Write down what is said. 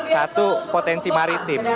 satu potensi maritim